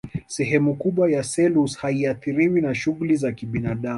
sehemu kubwa ya selous haiathiriwi na shughuli za kibinadamu